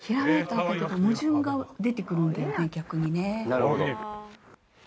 なるほど。